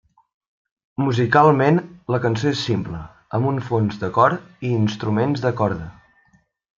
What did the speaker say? Musicalment, la cançó és simple, amb un fons de cor i instruments de corda.